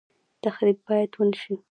تخریب باید ونشي